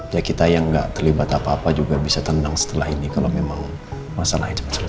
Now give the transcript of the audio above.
ya kita yang nggak terlibat apa apa juga bisa tenang setelah ini kalau memang masalah itu selesai